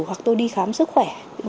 hoặc tôi đi khám sức khỏe